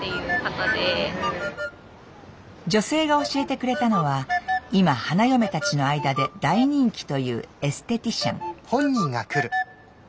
女性が教えてくれたのは今花嫁たちの間で大人気というエステティシャン。